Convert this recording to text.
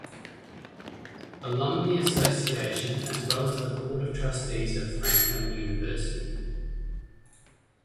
Alumni Association, as well as the board of trustees of Franklin University.